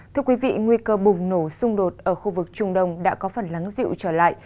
thưa quý vị nguy cơ bùng nổ xung đột ở khu vực trung đông đã có phần lắng dịu trở lại